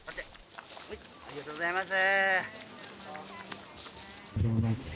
ありがとうございます。